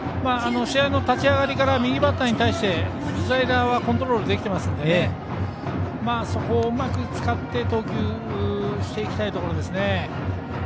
試合の立ち上がりから右バッターに対してスライダーはコントロールできていますのでそこをうまく使って投球していきたいところです。